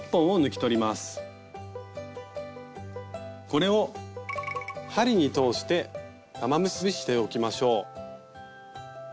これを針に通して玉結びしておきましょう。